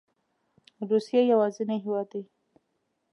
روسیه یوازینی هیواد دی